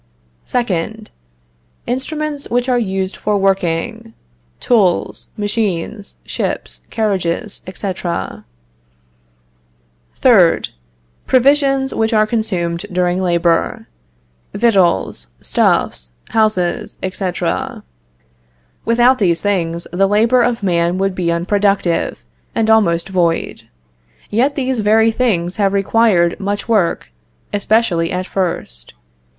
2nd. Instruments which are used for working tools, machines, ships, carriages, etc. 3rd. Provisions which are consumed during labor victuals, stuffs, houses, etc. Without these things, the labor of man would be unproductive, and almost void; yet these very things have required much work, especially at first.